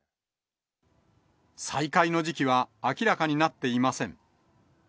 再開の時期は明らかになっていません。